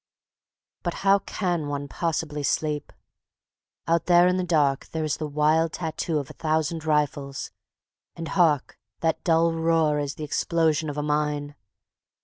But how can one possibly sleep? Out there in the dark there is the wild tattoo of a thousand rifles; and hark! that dull roar is the explosion of a mine.